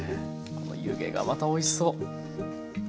この湯気がまたおいしそう！